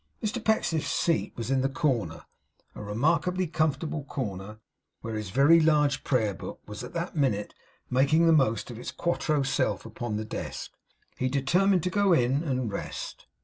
Mr Pecksniff's seat was in the corner; a remarkably comfortable corner; where his very large Prayer Book was at that minute making the most of its quarto self upon the desk. He determined to go in and rest.